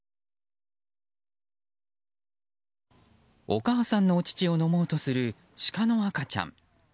お母さんのお乳を飲もうとするシカの赤ちゃん。